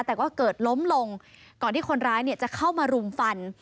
แต่ก็เกิดล้มลงก่อนที่คนร้ายจะเข้ามารุมฟัน